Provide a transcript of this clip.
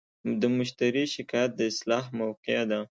د مشتری شکایت د اصلاح موقعه ده.